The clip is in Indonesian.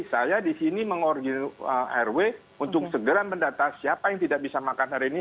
saya di sini mengorgi rw untuk segera mendata siapa yang tidak bisa makan hari ini